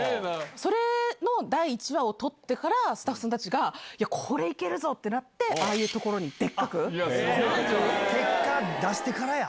それの第１話をとってから、スタッフさんたちが、これ、いけるぞってなって、ああいう所結果出してからや。